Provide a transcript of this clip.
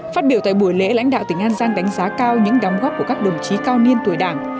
phát biểu tại buổi lễ lãnh đạo tỉnh an giang đánh giá cao những đóng góp của các đồng chí cao niên tuổi đảng